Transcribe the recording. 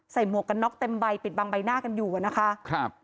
หมวกกันน็อกเต็มใบปิดบังใบหน้ากันอยู่อะนะคะครับ